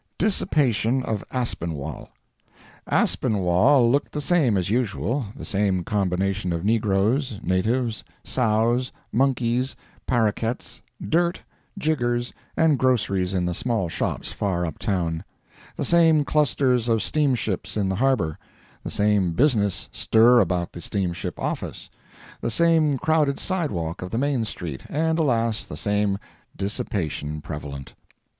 Dissipation of Aspinwall. Aspinwall looked the same as usual—the same combination of negroes, natives, sows, monkeys, parroquets, dirt, jiggers, and groceries in the small shops far up town; the same clusters of steamships in the harbor; the same business stir about the steamship office; the same crowded sidewalk of the main street, and, alas! the same dissipation prevalent.